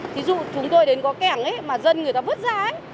thí dụ chúng tôi đến có kẻng ấy mà dân người ta vứt ra ấy